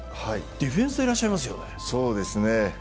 ディフェンスでいらっしゃいますよね？